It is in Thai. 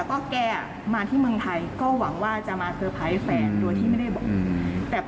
ก็แกมาที่เมืองไทยก็หวังว่าจะมาเซอร์ไพรส์แฟนโดยที่ไม่ได้บอก